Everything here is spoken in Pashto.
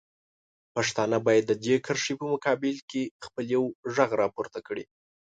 پښتانه باید د دې کرښې په مقابل کې خپل یو غږ راپورته کړي.